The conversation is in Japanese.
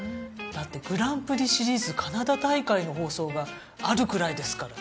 だってグランプリシリーズカナダ大会の放送があるくらいですから。